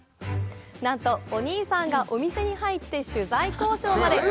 なんと、お兄さんがお店に入って取材交渉まで！